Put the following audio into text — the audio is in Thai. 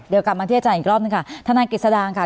เดี๋ยวกลับมาที่อาจารย์อีกรอบหนึ่งค่ะทนายกิจสดางค่ะ